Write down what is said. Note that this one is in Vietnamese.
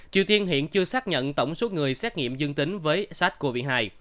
triều tiên hiện chưa xác nhận tổng số người xét nghiệm dương tính với sars cov hai